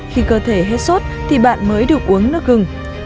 khi cơ thể hết sốt thì bạn mới được uống nước gừng